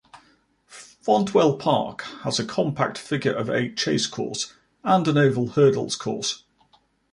Fontwell Park has a compact figure-of-eight chase course and an oval hurdles course.